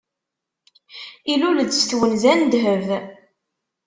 Ilul-d s twenza n ddheb.